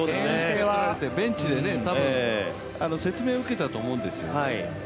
ベンチでね、多分説明を受けたんだと思うんですよね。